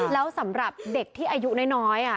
แล้วสำหรับเด็กที่อายุน้อย